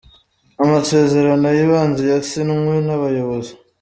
amasezerano yibanze yasinwe nabayobozi.